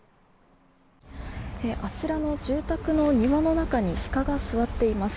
あちらの住宅の庭の中にシカが座っています。